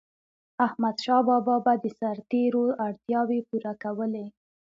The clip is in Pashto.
احمدشاه بابا به د سرتيرو اړتیاوي پوره کولي.